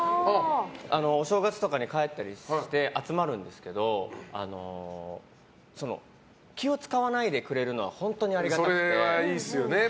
お正月とかに帰ったりして集まるんですけど気を使わないでくれるのは本当にありがたくて。